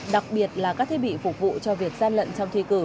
đặc biệt là các thiết bị phục vụ cho việc gian lận trong thi cử